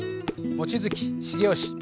望月重良。